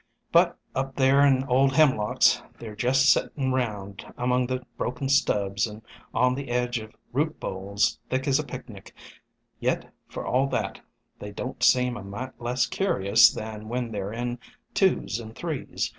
But up there in Old Hemlocks they 're jest settin' round among the broken stubs and on the edge of root bowls thick as a picnic; yet for all that they don't seem a mite less curious than when they 're in twos and threes.